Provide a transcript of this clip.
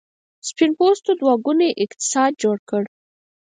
سپین پوستو دوه ګونی اقتصاد جوړ کړ.